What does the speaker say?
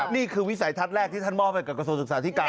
นี่คือวิสัยทัศน์แรกที่ท่านหมอไปกับกระทรวงศึกษาที่กลาง